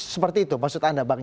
seperti itu maksud anda bang